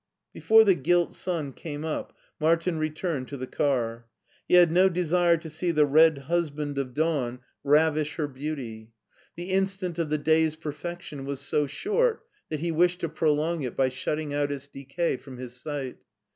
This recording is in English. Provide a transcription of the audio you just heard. Before the gilt sun came up Martin returned to the car : he had no desire to see the red husband of dawn 250 MARTIN SCHULER ravish her beauty. The instant of the day's perfec tion was so short that he wished to prolong it by shut ting out its decay from his sight.